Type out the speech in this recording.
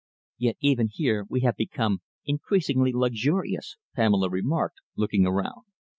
"Yet even here we have become increasingly luxurious," Pamela remarked, looking around.